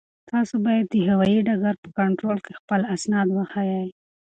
تاسو باید د هوایي ډګر په کنټرول کې خپل اسناد وښایئ.